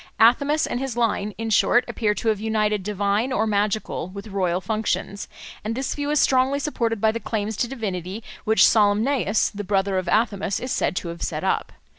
Athamas and his line, in short, appear to have united divine or magical with royal functions; and this view is strongly supported by the claims to divinity which Salmoneus, the brother of Athamas, is said to have set up.